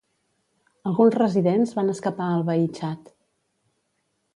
Alguns residents van escapar al veí Txad.